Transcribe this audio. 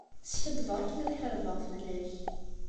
Skaddbeɣ akken ad ḥarbeɣ fell-ak.